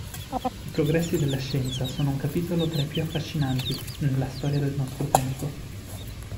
I progressi della scienza sono un capitolo tra i più affascinanti nella storia del nostro tempo.